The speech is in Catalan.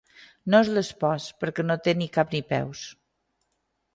No és l'espós perquè no té ni cap ni peus.